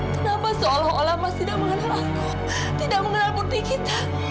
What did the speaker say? kenapa seolah olah mas tidak mengenal aku tidak mengenal putih kita